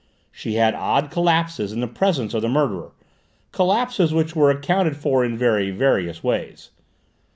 She had odd collapses in the presence of the murderer, collapses which were accounted for in very various ways.